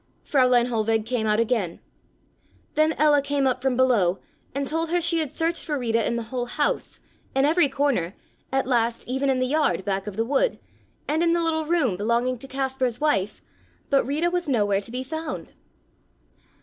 Fräulein Hohlweg came out again. Then Ella came up from below and told her she had searched for Rita in the whole house, in every corner, at last even in the yard back of the wood and in the little room belonging to Kaspar's wife, but Rita was nowhere to be found.